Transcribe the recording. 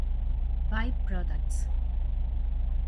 Buy products".